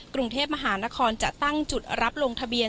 กรุงเทพมหานครจะตั้งจุดรับลงทะเบียน